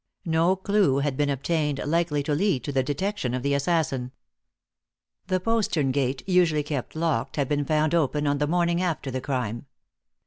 No clue had been obtained likely to lead to the detection of the assassin. The postern gate, usually kept locked, had been found open on the morning after the crime.